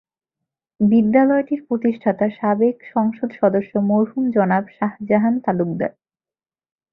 বিদ্যালয়টির প্রতিষ্ঠাতা সাবেক সংসদ সদস্য মরহুম জনাব শাহজাহান তালুকদার।